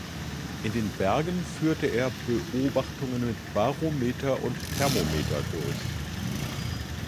In den Bergen führte er Beobachtungen mit Barometer und Thermometer durch.